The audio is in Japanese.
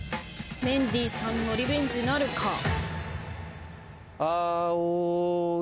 メンディーさんのリベンジなるか？